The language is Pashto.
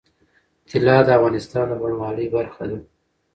طلا د افغانستان د بڼوالۍ برخه ده.